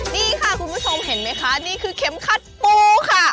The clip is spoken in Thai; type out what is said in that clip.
นี่ค่ะคุณผู้ชมเห็นไหมคะนี่คือเข็มขัดปูค่ะ